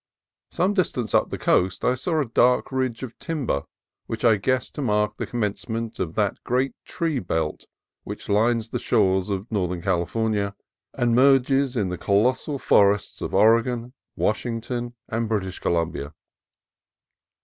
Some distance up the coast I saw a dark ridge of timber which I guessed to mark the commence ment of that great tree belt which lines the shores of northern California and merges in the colossal forests of Oregon, Washington, and British Colum bia.